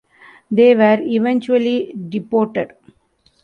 They were eventually deported.